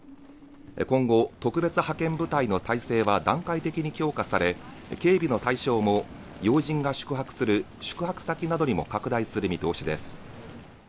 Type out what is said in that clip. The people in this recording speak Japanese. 今後特別派遣部隊の態勢は段階的に強化され、警備の対象も要人が宿泊する宿泊先などにも拡大する見通しです。